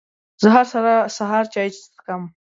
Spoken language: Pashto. زه هر سهار چای څښم.